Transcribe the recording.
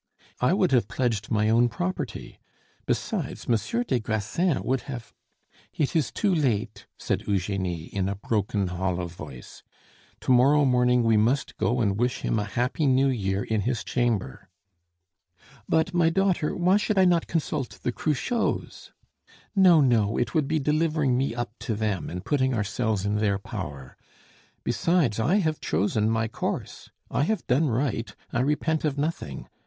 "I would have pledged my own property. Besides, Monsieur des Grassins would have " "It is too late," said Eugenie in a broken, hollow voice. "To morrow morning we must go and wish him a happy New Year in his chamber." "But, my daughter, why should I not consult the Cruchots?" "No, no; it would be delivering me up to them, and putting ourselves in their power. Besides, I have chosen my course. I have done right, I repent of nothing.